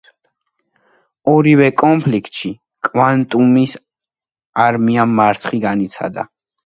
ორივე კონფლიქტში კვანტუნის არმიამ მარცხი განიცადა.